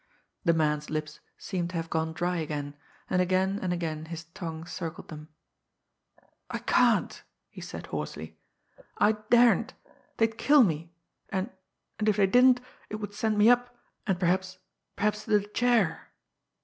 The man's lips seemed to have gone dry again, and again and again his tongue circled them. "I can't!" he said hoarsely. "I daren't they'd kill me. And and if they didn't, it would send me up, and perhaps perhaps to the chair."